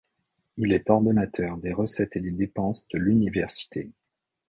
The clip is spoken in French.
Il est ordonnateur des recettes et des dépenses de l'université.